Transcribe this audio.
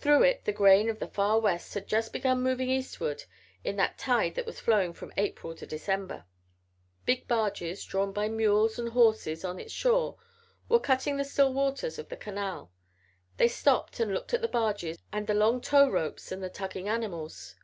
Through it the grain of the far West had just begun moving eastward in a tide that was flowing from April to December. Big barges, drawn by mules and horses on its shore, were cutting the still waters of the canal. They stopped and looked at the barges and the long tow ropes and the tugging animals.